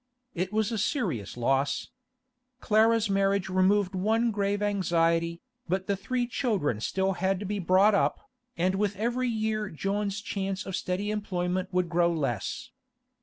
It was a serious loss. Clara's marriage removed one grave anxiety, but the three children had still to be brought up, and with every year John's chance of steady employment would grow less.